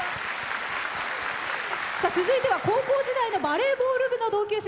続いては高校時代のバレーボール部の同級生。